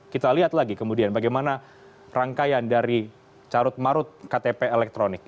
kita lihat lagi kemudian bagaimana rangkaian dari carut marut ktp elektronik